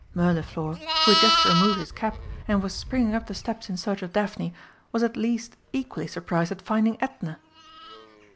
Mirliflor, who had just removed his cap and was springing up the steps in search of Daphne, was at least equally surprised at finding Edna.